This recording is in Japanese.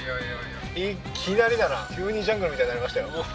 いきなりだな急にジャングルみたいになりましたよ